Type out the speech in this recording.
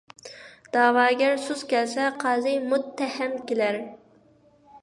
دەۋاگەر سۇس كەلسە، قازى مۇتتەھەم كىلەر.